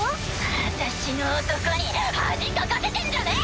私の男に恥かかせてんじゃねぇ！